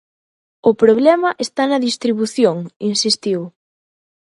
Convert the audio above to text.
"O problema está na distribución", insistiu.